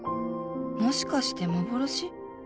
もしかして幻？